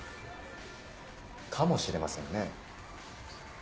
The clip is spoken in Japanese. かもしれませんね。